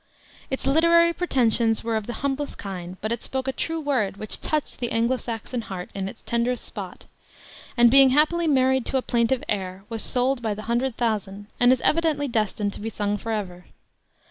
Its literary pretensions were of the humblest kind, but it spoke a true word which touched the Anglo Saxon heart in its tenderest spot, and being happily married to a plaintive air was sold by the hundred thousand, and is evidently destined to be sung forever.